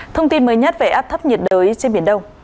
thông tin mới nhất về áp thấp nhiệt đới trên biển đông